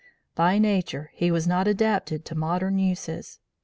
By nature, he was not adapted to 'modern uses.'